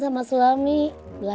terpaksa saya sama kang mus balik lagi